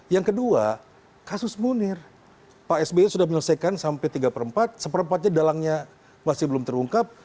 yang kedua kasus munir pak sby sudah menyelesaikan sampai tiga per empat seperempatnya dalangnya masih belum terungkap